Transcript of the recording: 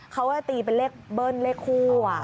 เขาจะตีเป็นเลขเบิ้ลเลขคู่